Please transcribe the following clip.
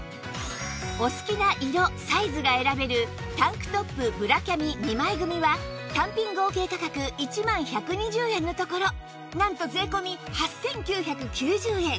お好きな色サイズが選べるタンクトップブラキャミ２枚組は単品合計価格１万１２０円のところなんと税込８９９０円